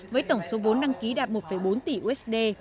với tổng số vốn đăng ký đạt một bốn tỷ usd